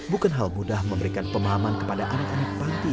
bukan hal mudah memberikan pemahaman kepada anak anak panti